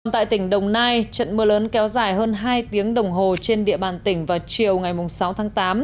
tại tỉnh đồng nai trận mưa lớn kéo dài hơn hai tiếng đồng hồ trên địa bàn tỉnh vào chiều ngày sáu tháng tám